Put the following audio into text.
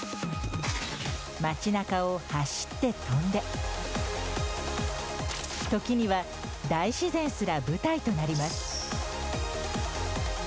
街なかを走って跳んで時には大自然すら舞台となります。